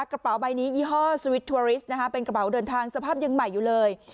กระเป๋าใบนี้ยี่ห้อสวิตทัวริสนะคะเป็นกระเป๋าเดินทางสภาพยังใหม่อยู่เลย